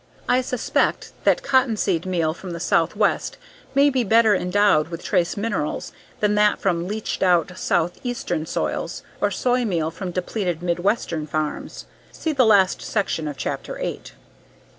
I suspect that cottonseed meal from the southwest may be better endowed with trace minerals than that from leached out southeastern soils or soy meal from depleted midwestern farms. See the last section of Chapter Eight.